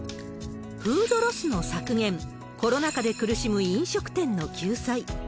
フードロスの削減、コロナ禍で苦しむ飲食店の救済。